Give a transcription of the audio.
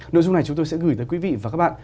nội dung này chúng tôi sẽ gửi tới quý vị và các bạn